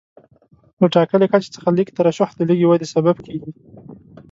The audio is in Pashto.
له ټاکلي کچې څخه لږه ترشح د لږې ودې سبب کېږي.